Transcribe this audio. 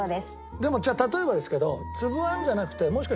でもじゃあ例えばですけど。